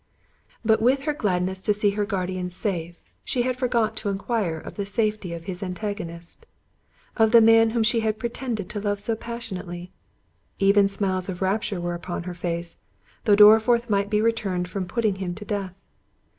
But with her gladness to see her guardian safe, she had forgot to enquire of the safety of his antagonist; of the man whom she had pretended to love so passionately—even smiles of rapture were upon her face, though Dorriforth might be returned from putting him to death.